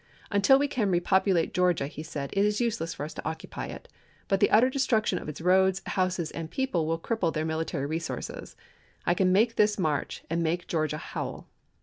" Until we can repopulate Georgia," he said, " it is useless for us to occupy it ; but the utter destruction of its roads, houses, and people will cripple their military resources. .. I can make this march and make Georgia howl